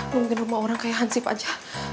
mungkin rumah orang kayak hansif aja